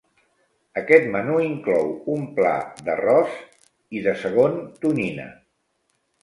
Aquest menú inclou un pla d'arròs i de segon tonyina.